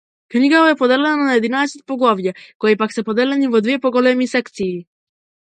Книгата е поделена на единаесет поглавја, кои пак се поделени во две поголеми секции.